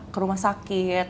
ke rumah sakit